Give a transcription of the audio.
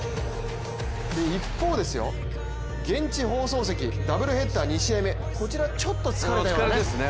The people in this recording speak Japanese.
一方、現地放送席ダブルヘッダー、２試合目こちら、ちょっと疲れたようなね。